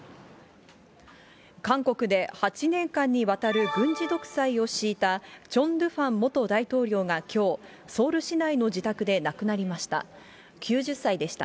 韓国で８年間にわたる軍事独裁を敷いた、チョン・ドゥファン元大統領がきょう、ソウル市内の自宅で亡くなりました。